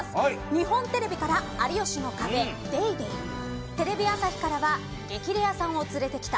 日本テレビからは有吉の壁、ＤａｙＤａｙ．テレビ朝日からは激レアさんを連れてきた。